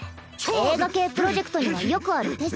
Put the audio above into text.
映画系プロジェクトにはよくある手っス。